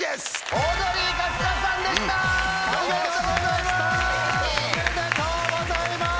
おめでとうございます！